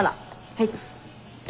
はい。